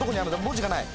文字がない。